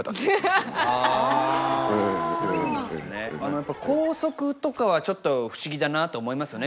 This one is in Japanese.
やっぱり校則とかはちょっと不思議だなと思いますよね